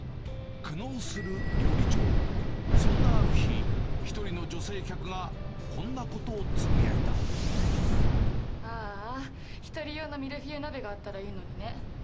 苦悩する料理長、そんなある日、一人の女性客が、こんなことあーあ、１人用のミルフィーユ鍋があったらいいのにね。